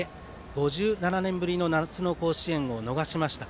５７年ぶりの夏の甲子園を逃しました。